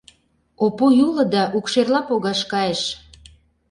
Опой уло да укшерла погаш кайыш.